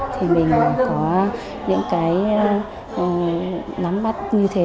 thì mình có những cái nắm bắt như thế